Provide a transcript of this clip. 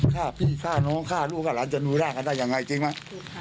ฆ่าพี่ฆ่าน้องฆ่าลูกจะนุ่นลากฆ่าได้ยังไงจริงไหม